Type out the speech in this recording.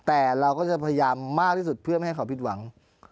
แต่เราก็จะพยายามมากที่สุดเพื่อไม่ให้เขาผิดหวัง